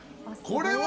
これは。